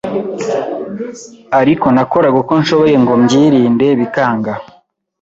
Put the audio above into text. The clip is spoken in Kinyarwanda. ariko nakoraga uko nshoboye ngo mbyirinde bikanga.